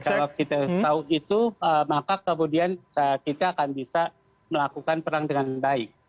kalau kita tahu itu maka kemudian kita akan bisa melakukan perang dengan baik